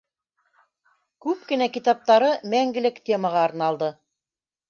Күп кенә китаптары мәңгелек темаға арналды.